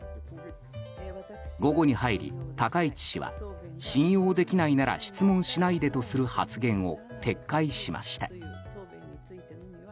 午後に入り、高市氏は信用できないなら質問しないでとする発言を撤回しました。